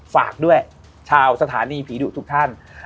ฝากด้วยชาวสถานีผีดุทุกท่าน